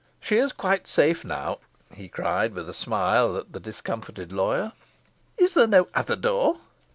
"She is quite safe now," he cried, with a smile at the discomfited lawyer. "Is there no other door?"